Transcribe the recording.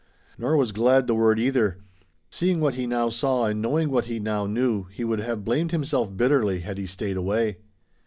Nor was "glad" the word either. Seeing what he now saw and knowing what he now knew, he would have blamed himself bitterly had he stayed away.